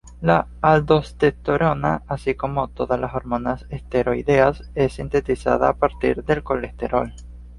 La aldosterona, así como todas las hormonas esteroideas, es sintetizada a partir del colesterol.